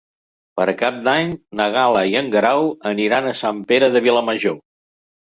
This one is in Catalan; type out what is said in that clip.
Per Cap d'Any na Gal·la i en Guerau aniran a Sant Pere de Vilamajor.